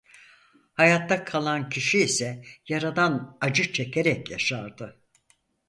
Hayatta kalan kişi ise yaradan acı çekerek yaşardı.